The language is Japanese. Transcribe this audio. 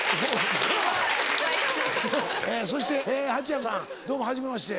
そして蜂谷さんどうもはじめまして。